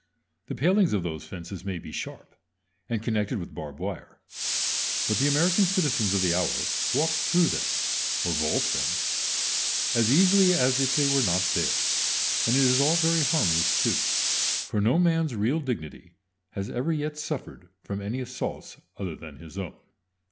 The palings of those fences may be sharp, and connected with barbed wire; but the American citizens of the hour walk through them, or vault them, as easily as if they were not there. And it is all very harmless too; for no man's real dignity has ever yet suffered from any assaults other than his own.